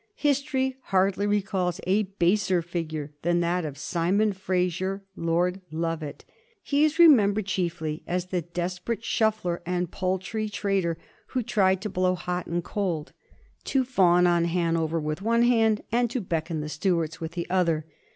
History hardly recalls a baser figure than that of Simon Fraser (Lord Lovat). He is re membered chiefly as the desperate shuffler and paltry trai tor who tried to blow hot and cold, to fawn on Hanover with one hand and to beckon the Stuarts with the other.